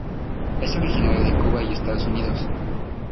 Es originaria de Cuba y Estados Unidos.